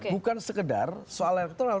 bukan sekedar soal elektoral